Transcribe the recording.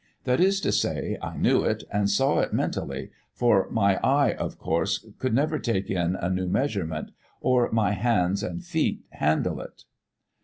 That is to say, I knew it and saw it mentally, for my eye, of course, could never take in a new measurement, or my hands and feet handle it.